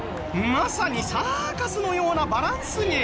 まさにサーカスのようなバランス芸。